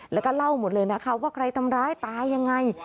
แล้วก็เล่าหมดเลยนะคะว่าใครทำร้ายตายยังไง